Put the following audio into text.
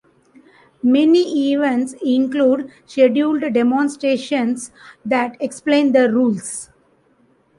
Many events include scheduled demonstrations that explain the rules.